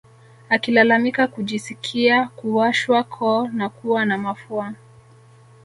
Akilalamika kujisikia kuwashwa koo na kuwa na mafua